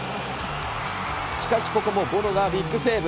しかしここもボロがビッグセーブ。